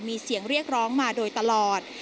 มีเสียงเรียกร้องมาโดยตลอด